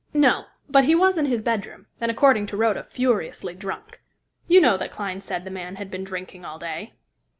"No; but he was in his bedroom, and, according to Rhoda, furiously drunk. You know that Clyne said the man had been drinking all day.